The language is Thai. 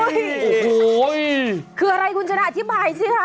นี่โอ้โหคืออะไรคุณจริงอธิบายสิฮะ